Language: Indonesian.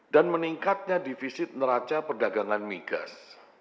dan meningkatnya divisit neraca perdagangan migas